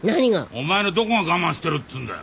お前のどこが我慢してるっつうんだよ。